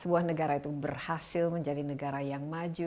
sebuah negara itu berhasil menjadi negara yang maju